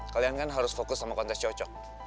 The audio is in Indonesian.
kalian kan harus fokus sama kontes cocok